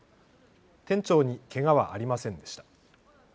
店長にけがはありませんでした。